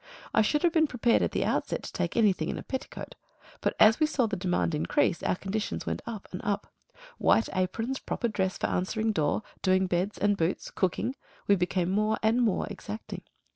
I should have been prepared at the outset to take anything in a petticoat; but as we saw the demand increase, our conditions went up and up; white aprons, proper dress for answering door, doing beds and boots, cooking, we became more and more exacting.